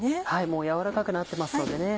もうやわらかくなってますのでね。